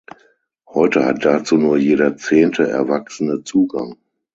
Heute hat dazu nur jeder zehnte Erwachsene Zugang.